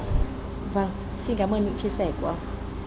vâng xin cảm ơn những chia sẻ của ông